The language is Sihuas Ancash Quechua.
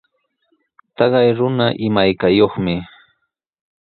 Taqay runa imaykayuqmi.